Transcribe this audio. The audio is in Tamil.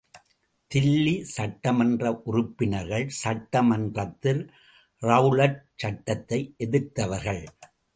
தில்லி சட்டமன்ற உறுப்பினர்கள், சட்ட மன்றத்தில் ரெளலட் சட்டத்தை எதிர்த்தவர்கள்.